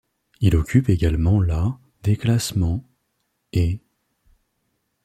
Il occupe également la des classements ' et '.